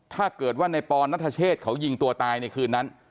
ถ้าเกิดว่าในปอนนัทเชษเขายิงตัวตายในคืนนั้น